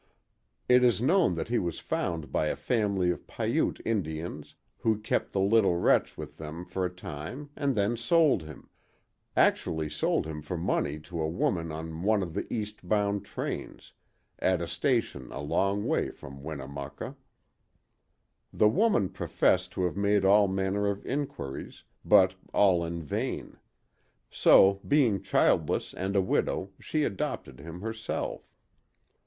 It is known that he was found by a family of Piute Indians, who kept the little wretch with them for a time and then sold him—actually sold him for money to a woman on one of the east bound trains, at a station a long way from Winnemucca. The woman professed to have made all manner of inquiries, but all in vain: so, being childless and a widow, she adopted him herself.